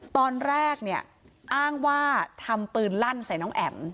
ตอนแรกเนี่ยอ้างว่าทำปืนลั่นใส่น้องแอ๋ม